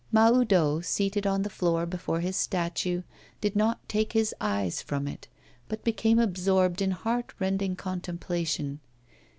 Mahoudeau, seated on the floor before his statue, did not take his eyes from it, but became absorbed in heart rending contemplation.